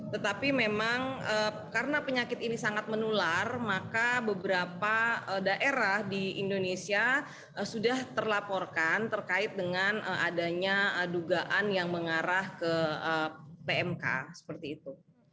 tetapi memang karena penyakit ini sangat menular maka beberapa daerah di indonesia sudah terlaporkan terkait dengan adanya dugaan yang mengarah ke pmk seperti itu